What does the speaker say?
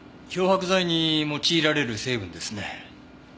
漂白剤に用いられる成分ですね。